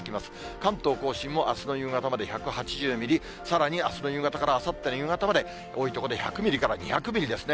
関東甲信もあすの夕方まで１８０ミリ、さらにあすの夕方からあさっての夕方まで、多い所で１００ミリから２００ミリですね。